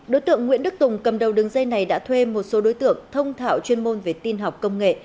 đối tượng nguyễn đức tùng cầm đầu đường dây này đã thuê một số đối tượng thông thảo chuyên môn về tin học công nghệ